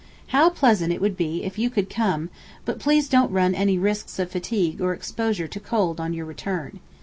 How pleasant it would be if you could come—but please don't run any risks of fatigue or exposure to cold on your return.